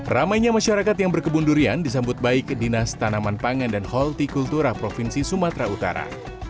ramainya masyarakat yang berkebun durian disambut baik ke dinas tanaman pangan dan holti kultura provinsi sumatera utara